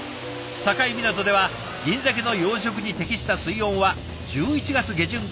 境港ではギンザケの養殖に適した水温は１１月下旬から５月半ばまで。